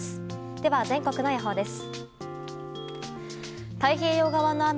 では、全国の予報です。